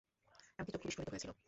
এমনকি চক্ষু বিস্ফারিত হয়েছিল।